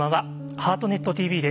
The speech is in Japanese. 「ハートネットＴＶ」です。